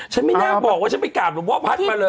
ฉันไม่น่าบอกว่าฉันไปกาดหรือว่าพัดมาเลย